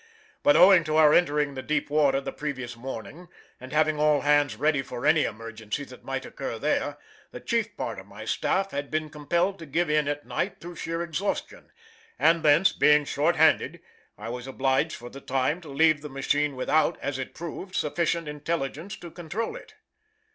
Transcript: But owing to our entering the deep water the previous morning, and having all hands ready for any emergency that might occur there, the chief part of my staff had been compelled to give in at night through sheer exhaustion, and hence, being short handed, I was obliged for the time to leave the machine without, as it proved, sufficient intelligence to control it.